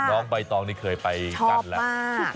น้องใบตองนี่เคยไปกันแหละชอบมาก